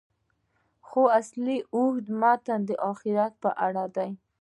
خو اصلي اوږد متن د آخرت په اړه دی.